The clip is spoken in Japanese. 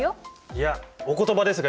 いやお言葉ですが